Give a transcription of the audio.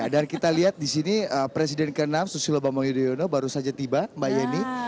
dan kita lihat di sini presiden ke enam susilo bambang yudhoyono baru saja tiba mbak yeni